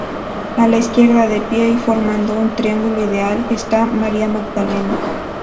A la izquierda, de pie y formando un triángulo ideal, está María Magdalena.